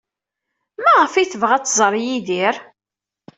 Maɣef ay tebɣa ad tẓer Yidir?